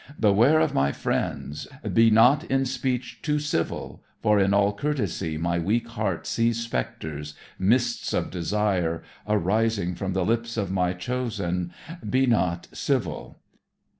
Beware of my friends, Be not in speech too civil, For in all courtesy My weak heart sees specters, Mists of desire Arising from the lips of my chosen; Be not civil.